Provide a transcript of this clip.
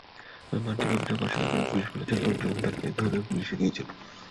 তবে মারধরের অভিযোগ অস্বীকার করে পুলিশ বলেছে, লোকজন তাঁকে ধরে পুলিশে দিয়েছিল।